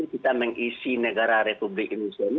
kita mengisi negara republik indonesia ini